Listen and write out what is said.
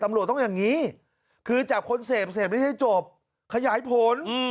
ตำรวจต้องอย่างนี้คือจับคนเสพเสพนี้ให้จบขยายผล